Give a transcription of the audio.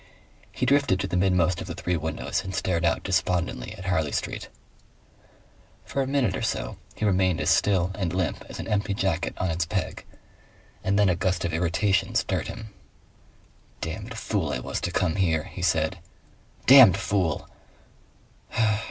He drifted to the midmost of the three windows and stared out despondently at Harley Street. For a minute or so he remained as still and limp as an empty jacket on its peg, and then a gust of irritation stirred him. "Damned fool I was to come here," he said... "DAMNED fool!